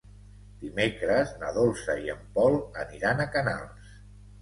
Dimecres na Dolça i en Pol aniran a Canals.